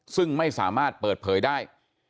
ซึ่งไม่สามารถเปิดเผยได้